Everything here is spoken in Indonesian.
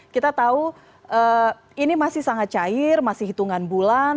kita tahu ini masih sangat cair masih hitungan bulan